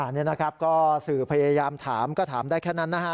นี่นะครับก็สื่อพยายามถามก็ถามได้แค่นั้นนะฮะ